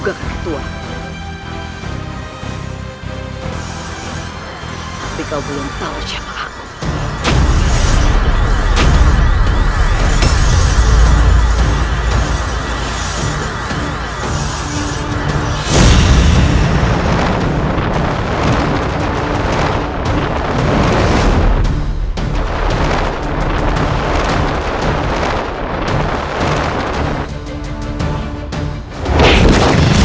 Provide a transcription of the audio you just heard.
kau tidak akan berada di dalam kekuasaanku